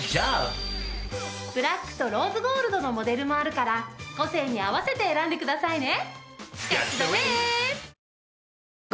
ブラックとローズゴールドのモデルもあるから個性に合わせて選んでくださいね。